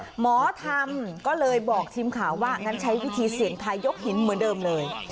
หมอทำก็เลยบอกทีมข่าวว่างั้นใช้วิธีเสี่ยงทายยกหินเหมือนเดิมเลย